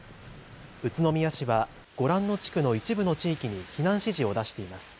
宇都宮市はご覧の地区の一部の地域に避難指示を出しています。